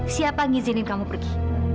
siapa yang izinin kamu pergi